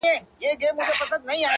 ستا د ميني پـــه كـــورگـــي كـــــي!!